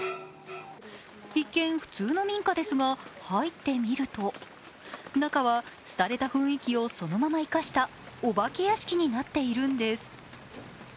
一見、普通の民家ですが入ってみると中は廃れた雰囲気をそのまま生かしたお化け屋敷になっているんです。